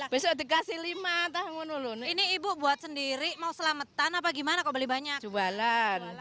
besok dikasih lima tahun dulu ini ibu buat sendiri mau selamatan apa gimana kok beli banyak jualan